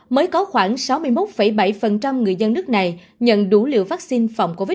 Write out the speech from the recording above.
mới có khoảng sáu mươi một bảy người dân nước này nhận đủ liều vaccine phòng covid một mươi